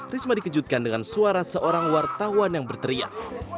risma dikejutkan dengan suara seorang wartawan yang berteriak